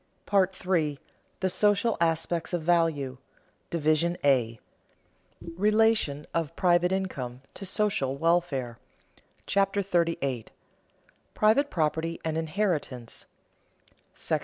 PART III THE SOCIAL ASPECTS OF VALUE DIVISION A RELATION OF PRIVATE INCOME TO SOCIAL WELFARE CHAPTER 38 PRIVATE PROPERTY AND INHERITANCE § I.